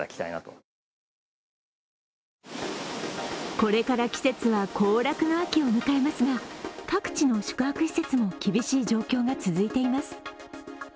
これから季節は行楽の秋を迎えますが各地の宿泊施設も厳しい状況が続いています。